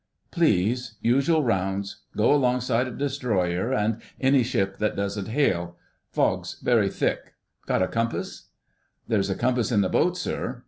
"Please. Usual rounds: go alongside a Destroyer and any ship that doesn't hail. Fog's very thick: got a compass?" "There's a compass in the boat, sir."